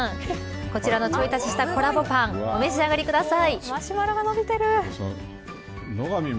こちらのちょい足ししたコラボパンお召し上がりください。